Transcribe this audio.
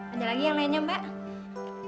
ada lagi yang lainnya mbak